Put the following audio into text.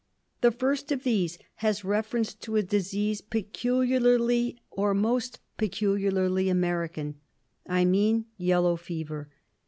The first of these has reference to a disease peculiarly, or almost peculiarly, American. I mean yellow fever.